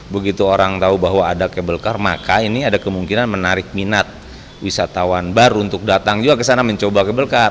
begitu orang tahu bahwa ada kabel kar maka ini ada kemungkinan menarik minat wisatawan baru untuk datang juga ke sana mencoba kabel kar